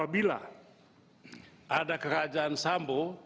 apabila ada kerajaan sambu